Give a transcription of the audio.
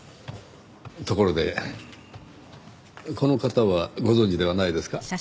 ところでこの方はご存じではないですか？